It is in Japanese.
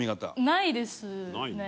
ないですね。